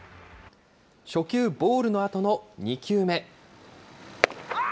初球、ボールのあとの２球目。